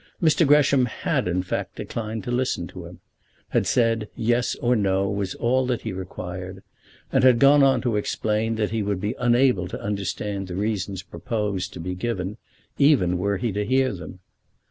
Mr. Gresham had, in fact, declined to listen to him; had said Yes or No was all that he required, and had gone on to explain that he would be unable to understand the reasons proposed to be given even were he to hear them.